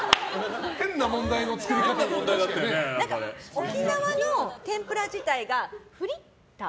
沖縄の天ぷら自体がフリッター。